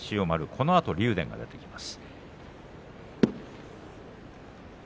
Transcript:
このあと竜電が出てきます。